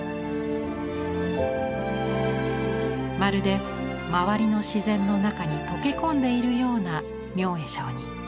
まるで周りの自然の中に溶け込んでいるような明恵上人。